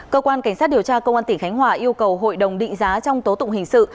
cơ quan cảnh sát điều tra công an tỉnh khánh hòa yêu cầu hội đồng định giá trong tố tụng hình sự